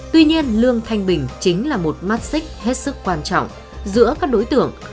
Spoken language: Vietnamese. tuy nhiên lương thanh bình chính là một mắt xích hết sức quan trọng giữa các đối tượng